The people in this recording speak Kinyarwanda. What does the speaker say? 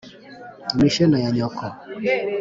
imishino ya nyoko